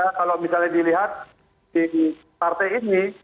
kalau misalnya dilihat di partai ini